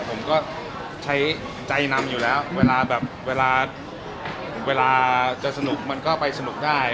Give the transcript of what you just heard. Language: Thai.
ผมก็ใช้ใจนำอยู่แล้วเวลาจะสนุกมันก็ไปสนุกได้